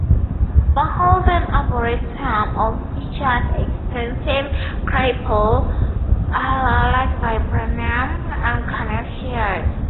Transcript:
The Holden Arboretum also features extensive Crabapple, Lilac, Viburnum and Conifer Collections.